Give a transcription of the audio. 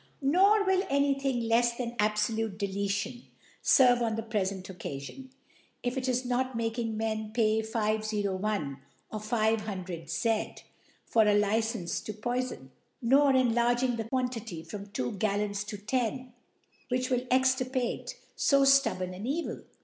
Nor will any Thing lefs than abfolute De letion fcrve on the prelcnt Occafion. It is not making Men pay 50/. or 500/. for a Licence to poifon 5 nor enlarging the Quantity from two Gallons to ten, which will extirpate fo ftubborn an Evil.